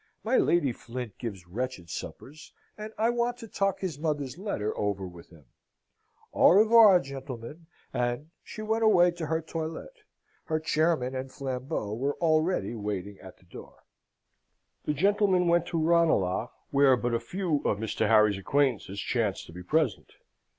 My Lady Flint gives wretched suppers, and I want to talk his mother's letter over with him. Au revoir, gentlemen!" and she went away to her toilette. Her chairmen and flambeaux were already waiting at the door. The gentlemen went to Ranelagh, where but a few of Mr. Harry's acquaintances chanced to be present.